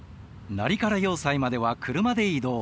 ナリカラ要塞までは車で移動。